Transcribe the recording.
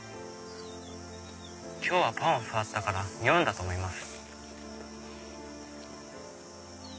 今日はパンを触ったからにおうんだと思います。